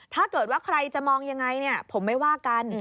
ถ้าเกิดว่าใครจะมองยังไงผมไม่ว่ากัน